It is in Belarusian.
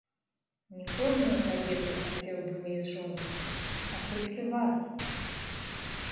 Не кожную кабету я хацеў бы мець жонкаю, а толькі вас.